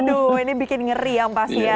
aduh ini bikin ngeri yang pasti ya